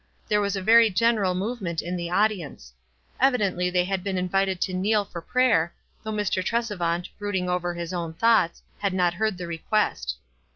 There was a very general movement in the audience. Evidently they had been invited to kneel for prayer, though Mr. Tresevant, brooding over his own thoughts, had not heard the request.